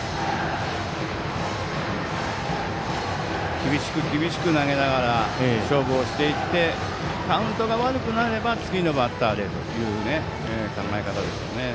厳しく厳しく投げながら勝負をしていってカウントが悪くなれば次のバッターでという考え方だと思いますね。